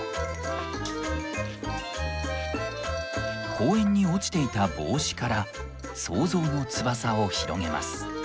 公園に落ちていた帽子から想像の翼を広げます。